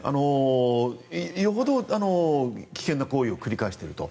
よほど危険な行為を繰り返していると。